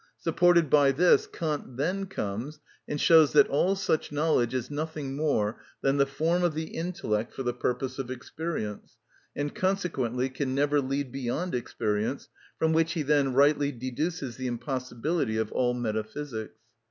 Supported by this, Kant then comes and shows that all such knowledge is nothing more than the form of the intellect for the purpose of experience, and consequently can never lead beyond experience, from which he then rightly deduces the impossibility of all metaphysics.